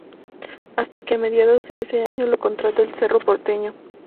Hasta que a mediados de ese año lo contrata el Cerro Porteño.